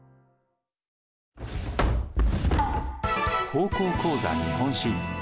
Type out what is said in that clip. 「高校講座日本史」。